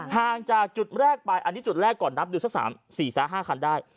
ห่างจากจุดแรกไปอันนี้จุดแรกก่อนนับดูสัก๔๕คันได้